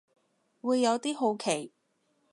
會有啲好奇